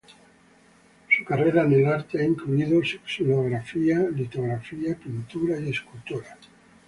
Su carrera en el arte ha incluido xilografía, litografía, pintura y escultura.